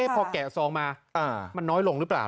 พอแกะซองมามันน้อยลงหรือเปล่า